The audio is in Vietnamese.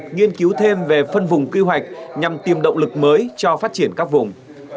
nghiên cứu thêm về phân vùng quy hoạch nhằm tìm động lực mới cho phát triển các vùng